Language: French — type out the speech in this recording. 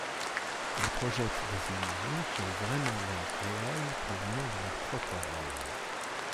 Ils projettent des illusions, qui ont vraiment l'air réelles, provenant de leurs propres rêves.